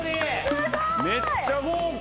めっちゃ豪華。